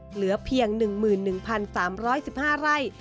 เหลือเพียง๑๑๓๑๕ไร่